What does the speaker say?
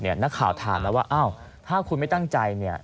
นักข่าวถามแล้วว่าอ้าวถ้าคุณไม่ตั้งใจเนี่ย